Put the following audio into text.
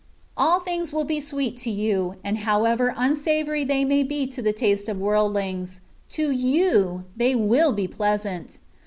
All things will be sweet to you, and however unsavoury they may be to the taste of worldlings, to you they wiU be pleasant.